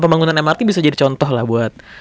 pembangunan mrt bisa jadi contoh lah buat